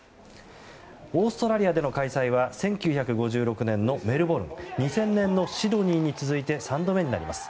オーストラリアでの開催は１９５６年のメルボルン２０００年のシドニーに続いて３度目になります。